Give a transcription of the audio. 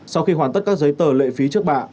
sau khi hoàn tất các giấy tờ lệ phí trước bạ